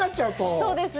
そうですね。